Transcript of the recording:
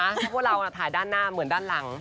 เพราะว่าเราถ่ายด้านหน้าเหมือนด้านหลัง